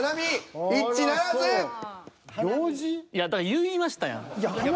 言いましたやん。